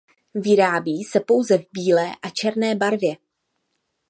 Vyrábí se pouze v bílé a černé barvě.